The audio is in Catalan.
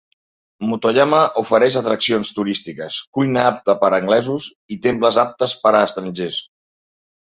Motoyama ofereix atraccions turístiques, cuina apta per a anglesos i temples aptes per a estrangers.